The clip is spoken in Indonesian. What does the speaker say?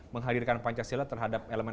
menghadirkan pancasila terhadap elemen